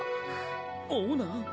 オーナー？